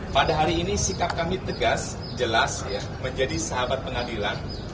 pada hari ini sikap kami tegas jelas menjadi sahabat pengadilan